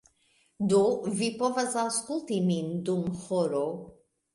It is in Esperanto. Do, vi povas aŭskulti min dum horo.